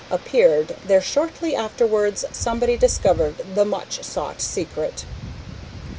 appeared, there, shortly afterwards, somebody discovered the much sought secret.